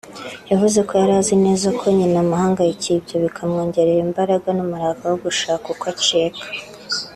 yavuze ko yari azi neza ko nyina amuhangayikiye ibyo bikamwongerera imbaraga n’umurava wo gushaka uko yacika